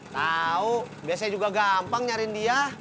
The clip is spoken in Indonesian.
tahu biasanya juga gampang nyarin dia